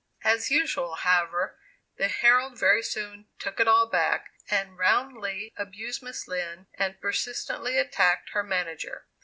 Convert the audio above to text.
As usual, however, the Herald very soon "took it all back" and roundly abused Miss Lind and persistently attacked her manager.